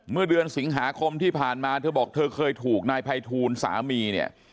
เมื่อเดือนสิงหาคมที่ผ่านมาเธอบอกเธอเคยถูกนายภัยทูลสามีเนี่ย